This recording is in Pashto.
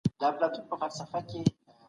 یو خوشبویه او ښکلی ګل.